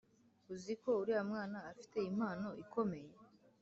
uziko uriya mwana afite impano ikomeye